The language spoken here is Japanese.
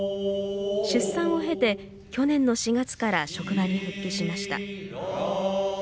出産を経て、去年の４月から職場に復帰しました。